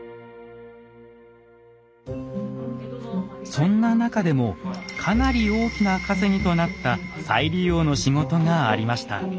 そんな中でもかなり大きな稼ぎとなった再利用の仕事がありました。